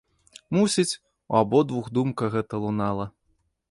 Мусіць, у абодвух думка гэта лунала.